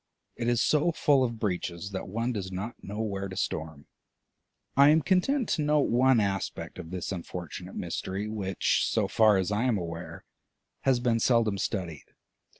It is so full of breaches that one does not know where to storm. I am content to note one aspect of this unfortunate mystery which, so far as I am aware, has been seldom studied.